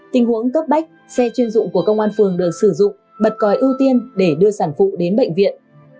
tình huống cấp bách xe chuyên dụng của công an phường được sử dụng bật còi ưu tiên để đưa sản phụ đến bệnh viện